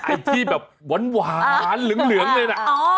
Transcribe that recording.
ไอ้ที่แบบหวานเหลืองเลยนะ